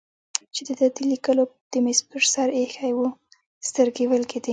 چې د ده د لیکلو د مېز پر سر ایښی و سترګې ولګېدې.